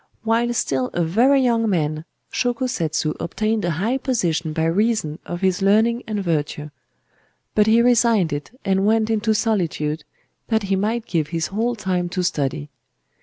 While still a very young man, Shōko Setsu obtained a high position by reason of his learning and virtue; but he resigned it and went into solitude that he might give his whole time to study.